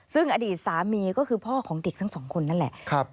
ซึ่งอดีตสามีก็คือพ่อของเด็กทั้งสองคนนั่นแหละ